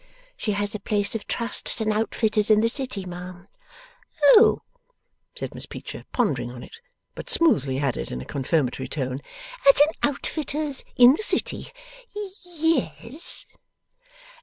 'She has a place of trust at an outfitter's in the City, ma'am.' 'Oh!' said Miss Peecher, pondering on it; but smoothly added, in a confirmatory tone, 'At an outfitter's in the City. Ye es?